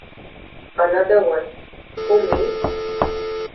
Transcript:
Another one, Who me?